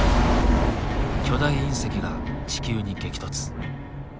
巨大隕石が地球に激突。